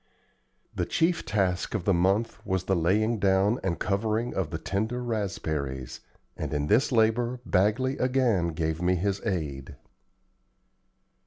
The chief task of the month was the laying down and covering of the tender raspberries; and in this labor Bagley again gave me his aid.